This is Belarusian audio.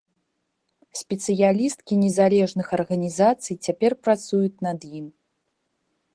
Спецыялісткі незалежных арганізацый цяпер працуюць над ім.